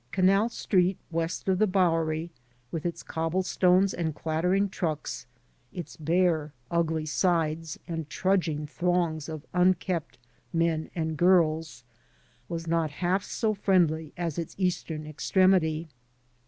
Canal Street west of the Bowery, with its cobblestones and clattering trucks, its bare, ugly sides and trudging throngs of unkempt men and girls, was not half so friendly as at its eastern extremity.